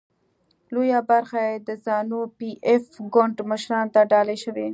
لویه برخه یې د زانو پي ایف ګوند مشرانو ته ډالۍ شوې.